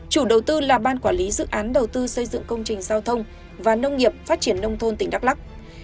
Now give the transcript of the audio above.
chủ đầu tư là ban quản lý dự án đầu tư xây dựng công trình giao thông và nông nghiệp phát triển nông thôn tỉnh đắk lắc